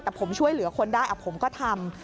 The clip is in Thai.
แต่ผมช่วยเหลือคนได้ผมก็ทำ